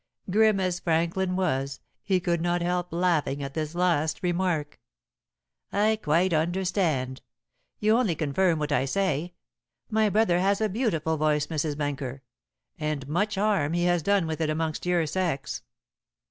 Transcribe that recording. Grim as Franklin was, he could not help laughing at this last remark. "I quite understand. You only confirm what I say. My brother has a beautiful voice, Mrs. Benker; and much harm he has done with it amongst your sex."